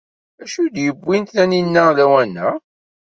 D acu ay d-yewwin Taninna lawan-a?